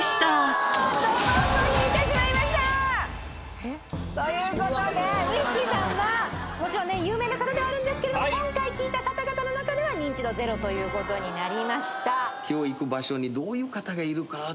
ドボンを引いてしまいました！という事でウィッキーさんはもちろんね有名な方ではあるんですけれども今回聞いた方々の中ではニンチドゼロという事になりました。